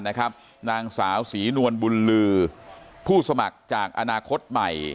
นางสาวศรีนวลบุญลือผู้สมัครจากอนาคตใหม่